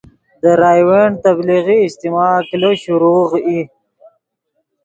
دے راؤنڈ تبلیغی اجتماع کلو شروغ ای